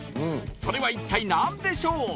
それは一体何でしょう？